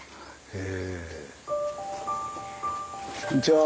へえ。